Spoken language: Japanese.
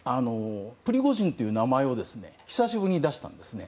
プリゴジンという名前を久しぶりに出したんですね。